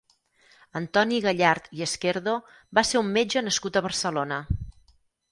Antoni Gallart i Esquerdo va ser un metge nascut a Barcelona.